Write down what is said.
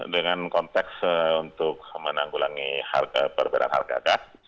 dengan konteks untuk menanggulangi perbedaan harga gas